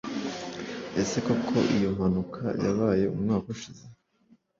Ese koko iyo mpanuka yabaye umwaka ushize